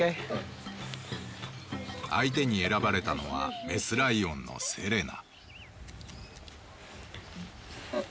相手に選ばれたのはメスライオンのセレナ。